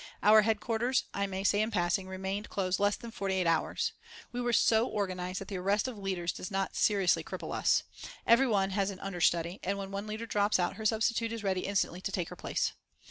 Our headquarters, I may say in passing, remained closed less than forty eight hours. We are so organised that the arrest of leaders does not seriously cripple us. Every one has an understudy, and when one leader drops out her substitute is ready instantly to take her place.